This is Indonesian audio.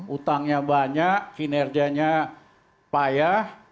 utangnya banyak kinerjanya payah